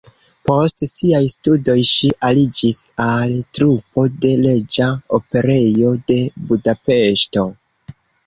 Post siaj studoj ŝi aliĝis al trupo de Reĝa Operejo de Budapeŝto.